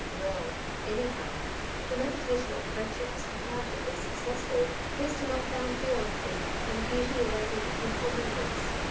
Well, anyhow, the meditation on Friendship was comparatively successful. Wisdom I found beyond me, and Beauty awakened painful memories.